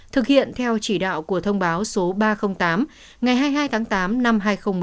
thực hiện theo chỉ đạo của thông báo số ba trăm linh tám ngày hai mươi hai tháng tám năm hai nghìn một mươi chín